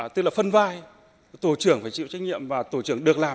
tức là phân vai tổ trưởng phải chịu trách nhiệm và tổ trưởng được làm